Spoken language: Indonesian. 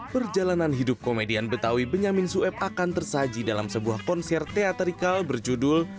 perjalanan hidup komedian betawi benyamin sueb akan tersaji dalam sebuah konser teaterikal berjudul